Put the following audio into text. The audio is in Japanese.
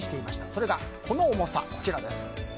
それがこの重さ。